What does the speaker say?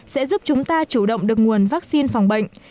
sẽ giúp chúng ta chủ động được nguồn vắc xin phòng bệnh